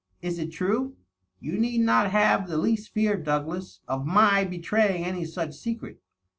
Is it true? .. You need not have the least fear, Douglas, of my betraying any such secret.